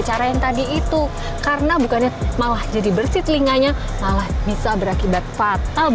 cara yang tadi itu karena bukannya malah jadi bersih telinganya malah bisa berakibat fatal